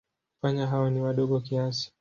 Panya hao ni wadogo kiasi.